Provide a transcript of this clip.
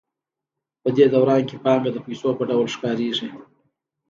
په دې دوران کې پانګه د پیسو په ډول ښکارېږي